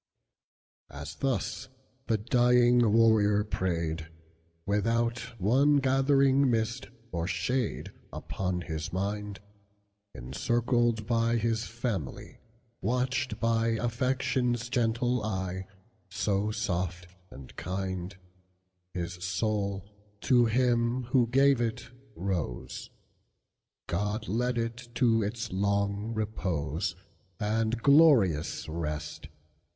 As thus the dying warrior prayed, Without one gathering mist or shadeUpon his mind; Encircled by his family, Watched by affection's gentle eyeSo soft and kind; His soul to Him who gave it rose; God lead it to its long repose, Its glorious rest!